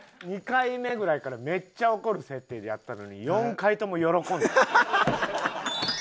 ２回目ぐらいからめっちゃ怒る設定でやったのに４回とも喜んでた。